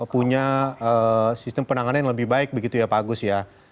punya sistem penanganan yang lebih baik begitu ya pak agus ya